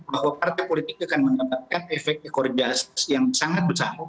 bahwa partai politik akan mendapatkan efek ekor jas yang sangat besar